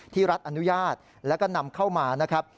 รัฐอนุญาตแล้วก็นำเข้ามานะครับ